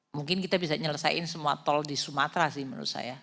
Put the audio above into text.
mungkin kita bisa menyelesaikan semua tol di sumatera sih menurut saya